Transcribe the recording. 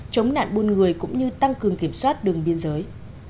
chống nạn buôn người cũng như tăng cường kiểm soát đường biên giới